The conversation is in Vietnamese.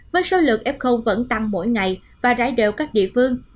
với số lượng f vẫn tăng mỗi ngày và rải đều các địa phương